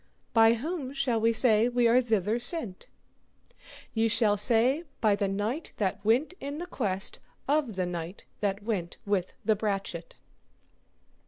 By whom shall we say are we thither sent? Ye shall say by the knight that went in the quest of the knight that went with the brachet.